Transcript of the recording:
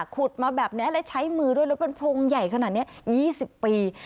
ขุดมาแบบนี้แล้วใช้มือด้วยแล้วเป็นโพรงใหญ่ขนาดนี้๒๐ปี